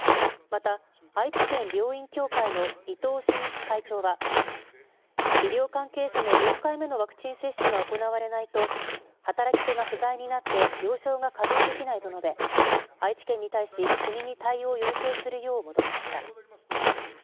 また、愛知県病院協会の伊藤伸一会長は医療関係者の４回目のワクチン接種が行われないと働き手が不在になって病床が稼働できないと述べ愛知県に対し、国に対応を要請するよう求めました。